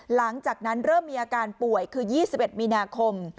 หลังจากนั้นเริ่มมีอาการป่วยคือ๒๑มีนาคม